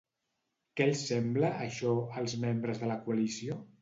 Què els sembla, això, als membres de la coalició?